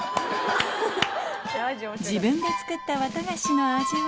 自分で作ったわたがしの味は？